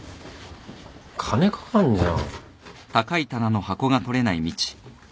金かかんじゃん。